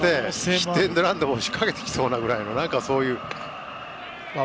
ヒットエンドランでも仕掛けてきそうなぐらいの。